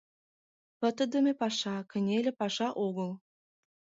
Пытыдыме паша, каньыле паша огыл.